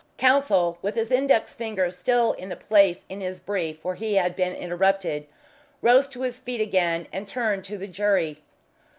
Counsel, with his index finger still in the place in his brief where he had been interrupted, rose to his feet again and turned to the jury.